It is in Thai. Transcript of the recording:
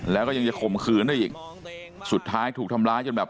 แล้วก็ยังจะข่มขืนได้อีกสุดท้ายถูกทำร้ายจนแบบ